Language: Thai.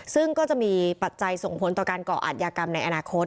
ซึ่งก็จะมีปัจจัยส่งผลต่อการก่ออาทยากรรมในอนาคต